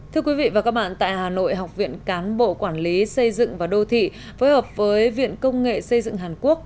thưa quý vị và các bạn tại hà nội học viện cán bộ quản lý xây dựng và đô thị phối hợp với viện công nghệ xây dựng hàn quốc